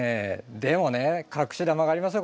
でもね隠し玉がありますよ